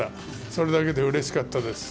それだけでうれしかったです。